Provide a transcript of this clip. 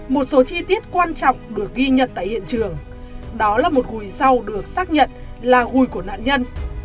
một số chi tiết quan trọng được ghi nhận tại hiện trường đó là một gùi rau được xác nhận là gùi của nạn nhân